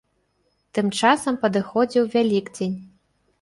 Тым часам падыходзіў вялікдзень.